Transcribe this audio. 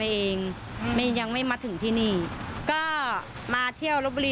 บริเวณหน้าสารพระการอำเภอเมืองจังหวัดลบบุรี